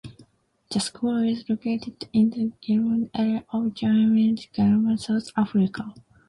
The school is located in the Glenhazel area of Johannesburg, Gauteng, South Africa.